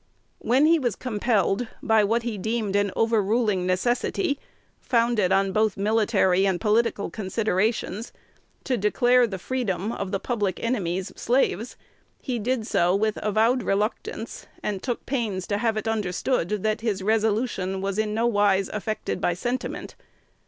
When he was compelled, by what he deemed an overruling necessity, founded on both military and political considerations, to declare the freedom of the public enemy's slaves, he did so with avowed reluctance, and took pains to have it understood that his resolution was in no wise affected by sentiment.